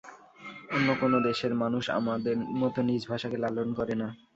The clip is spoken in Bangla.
অন্য কোনো দেশের মানুষ আমাদের মতো নিজ ভাষাকে লালন করে না।